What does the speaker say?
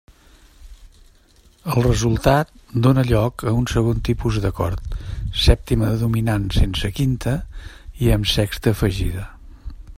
El resultat dóna lloc a un segon tipus d'acord: sèptima de dominant sense quinta, i amb sexta afegida.